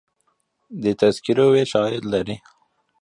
د تذکرو ویش عاید لري